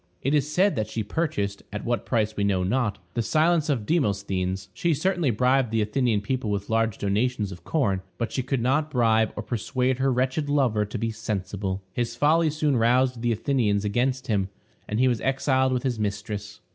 It is said that she purchased, at what price we know not, the silence of Demosthenes; she certainly bribed the Athenian people with large donations of corn. But she could not bribe or persuade her wretched lover to be sensible; his folly soon roused the Athenians against him, and he was exiled with his mistress.